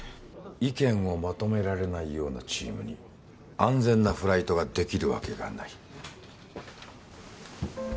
意見をまとめられないようなチームに安全なフライトができるわけがない。